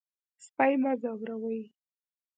سپي مه ځوروئ.